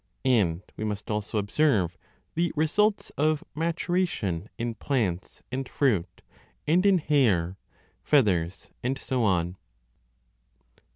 And we must also observe the results of maturation in plants and fruit, and in hair, feathers, and so on.